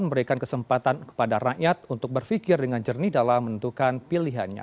memberikan kesempatan kepada rakyat untuk berpikir dengan jernih dalam menentukan pilihannya